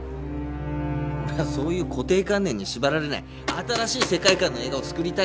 俺はそういう固定観念に縛られない新しい世界観の映画を作りたいんですよ！